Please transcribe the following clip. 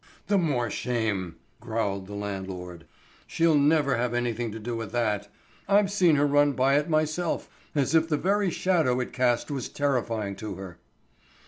"The more shame," growled the landlord. "She'll never have anything to do with that. I've seen her run by it myself, as if the very shadow it cast was terrifying to her."